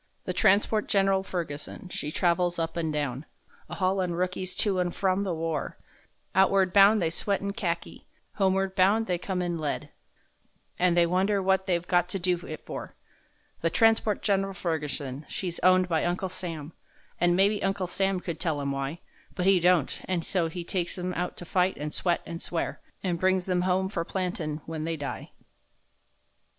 The transport Gen'ral Ferguson, she travels up and down, A haulin' rookies to and from the war; Outward bound they sweat in Kharki; homeward bound they come in lead And they wonder what they've got to do it for. The transport Gen'ral Ferguson, she's owned by Uncle Sam, An' maybe Uncle Sam could tell 'em why, But he don't—and so he takes 'em out to fight, and sweat, and swear, An' brings them home for plantin' when they die.